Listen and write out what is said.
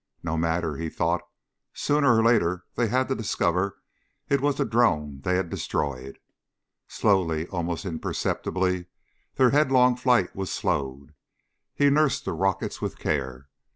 No matter, he thought. Sooner or later they had to discover it was the drone they had destroyed. Slowly, almost imperceptibly, their headlong flight was slowed. He nursed the rockets with care.